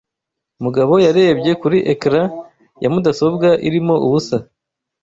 Mugabo yarebye kuri ecran ya mudasobwa irimo ubusa.